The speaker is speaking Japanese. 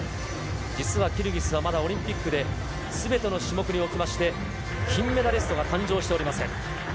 実はキルギスはまだオリンピックで、すべての種目におきまして、金メダリストが誕生しておりません。